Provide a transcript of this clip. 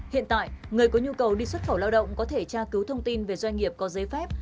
hiện tại người có nhu cầu đi xuất khẩu lao động có thể tra cứu thông tin về doanh nghiệp có giấy phép